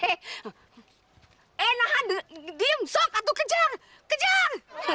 eh nahan diam sok aduh kejar kejar